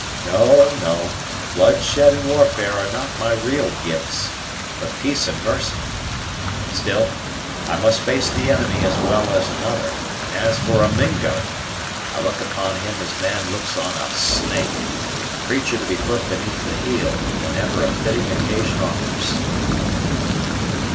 No, no; bloodshed and warfare are not my real gifts, but peace and mercy. Still, I must face the enemy as well as another; and as for a Mingo, I look upon him as man looks on a snake, a creatur' to be put beneath the heel whenever a fitting occasion offers."